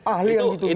ahli yang gitu gitu